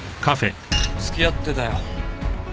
付き合ってたよ。